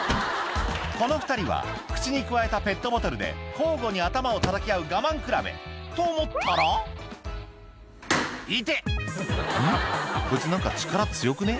この２人は口にくわえたペットボトルで交互に頭をたたき合う我慢比べと思ったら「痛っ！」「こいつ何か力強くね？